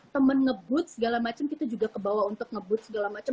temen ngebut segala macam kita juga kebawa untuk ngebut segala macam